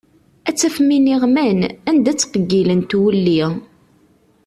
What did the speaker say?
Ad tafeḍ iniɣman, anda ttqeggilent wulli.